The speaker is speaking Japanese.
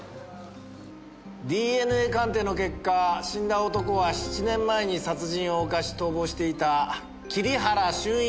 ＤＮＡ鑑定の結果死んだ男は７年前に殺人を犯し逃亡していた桐原俊一だという事がわかった。